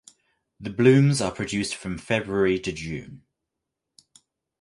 The blooms are produced from February to June.